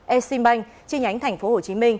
exim bank trên nhánh tp hcm